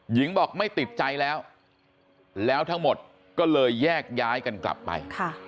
หญิงบอกไม่ติดใจแล้วแล้วทั้งหมดก็เลยแยกย้ายกันกลับไป